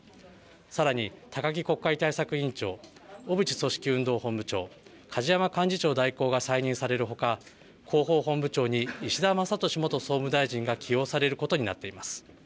さらに高木国会対策委員長、小渕組織運動本部長、梶山幹事長代行が再任されるほか広報本部長に石田真敏元総務大臣が起用されることになっています。